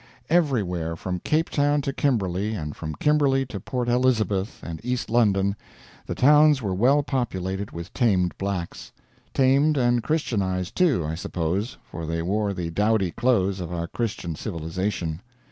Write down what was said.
Everywhere, from Cape Town to Kimberley and from Kimberley to Port Elizabeth and East London, the towns were well populated with tamed blacks; tamed and Christianized too, I suppose, for they wore the dowdy clothes of our Christian civilization.